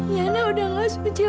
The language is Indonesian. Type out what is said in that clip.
ibu sudah nggak suci lagi